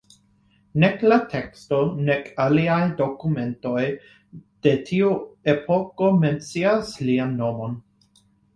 Nek la teksto, nek aliaj dokumentoj de tiu epoko mencias lian nomon.